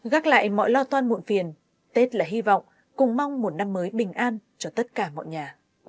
gác lại mọi lo toan muộn phiền tết là hy vọng cùng mong một năm mới bình an cho tất cả mọi nhà